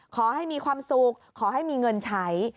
ขอให้มีความสุขขอให้มีเงินใช้